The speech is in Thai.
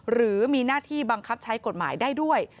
หรือมีหน้าที่บังคับใช้กฎหมายได้ด้วย